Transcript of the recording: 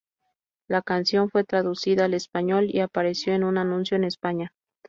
La canción fue traducida al español, y apareció en un anuncio en España.